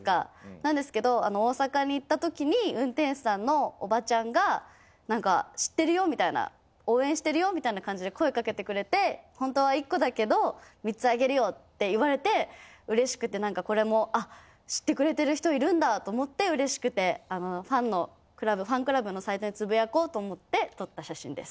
なんですけどあの大阪に行ったときに運転手さんのおばちゃんがなんか「知ってるよ」みたいな「応援してるよ」みたいな感じで声かけてくれて「本当は１個だけど３つあげるよ」って言われて嬉しくてなんかこれも知ってくれてる人いるんだと思って嬉しくてファンのクラブファンクラブのサイトでつぶやこうと思って撮った写真です。